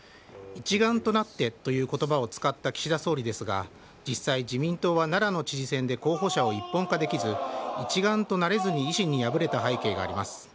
一丸となってということばを使った岸田総理ですが、実際、自民党は奈良の知事選で候補者を一本化できず、一丸となれずに維新に敗れた背景があります。